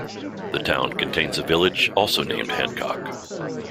The town contains a village, also named Hancock.